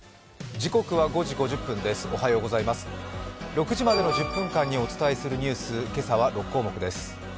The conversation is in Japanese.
６時までの１０分間にお伝えするニュース、今朝は６項目です。